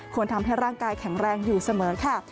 ทำให้ร่างกายแข็งแรงอยู่เสมอค่ะ